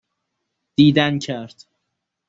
دیدن کرد